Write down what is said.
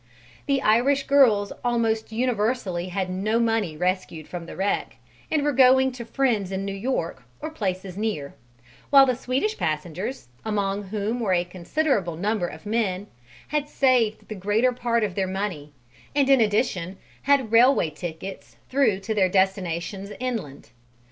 The Irish girls almost universally had no money rescued from the wreck, and were going to friends in New York or places near, while the Swedish passengers, among whom were a considerable number of men, had saved the greater part of their money and in addition had railway tickets through to their destinations inland.